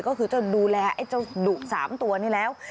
ก็คือจะดูแลไอ้เจ้าดุ๓ตัวนี้แล้ว